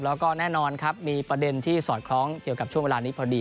แล้วก็แน่นอนครับมีประเด็นที่สอดคล้องเกี่ยวกับช่วงเวลานี้พอดี